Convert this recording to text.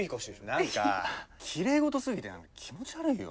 何かきれい事すぎて何か気持ち悪いよ。